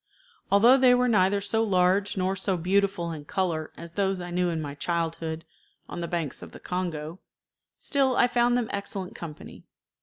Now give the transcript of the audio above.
Although they were neither so large nor so beautiful in color as those I knew in my childhood on the banks of the Congo, still I found them excellent company.